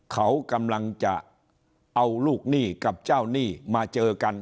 เขากำลังจะเอาลูกหนี้กับเจ้าหนี้มาเจอกัน